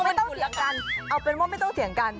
ไม่ต้องเถียงกันเอาเป็นว่าไม่ต้องเถียงกัน